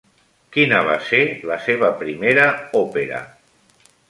Quina va ser la seva primera òpera?